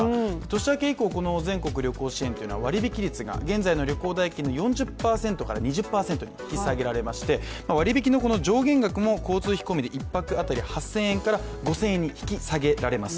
年明け以降、この全国旅行支援は割引率が現在の旅行代金の４０％から２０％に引き下げられまして割引の上限額も交通費込みで１泊当たり８０００円から５０００円に引き下げられます。